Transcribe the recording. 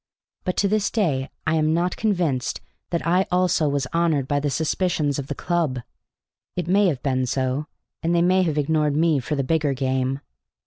But to this day I am not convinced that I also was honored by the suspicions of the club; it may have been so, and they may have ignored me for the bigger game.